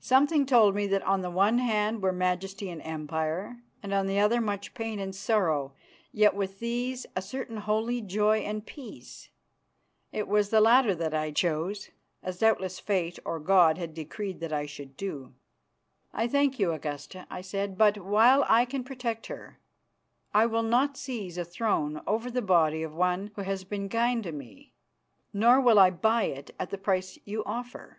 Something told me that on the one hand were majesty and empire; on the other much pain and sorrow yet with these a certain holy joy and peace. It was the latter that I chose, as doubtless Fate or God had decreed that I should do. "I thank you, Augusta," I said, "but, while I can protect her, I will not seize a throne over the body of one who has been kind to me, nor will I buy it at the price you offer.